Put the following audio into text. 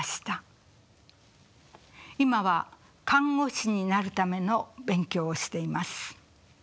今は看護師になるための勉強をしています。